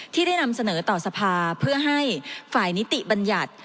ที่ได้นำเสนอต่อสภาเพื่อให้ฝ่ายนิติบัญญัติ